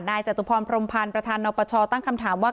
จตุพรพรมพันธ์ประธานนปชตั้งคำถามว่า